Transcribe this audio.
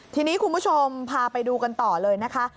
ทีนี้คุณผู้ชมพาไปดูกันต่อเลยนะคะ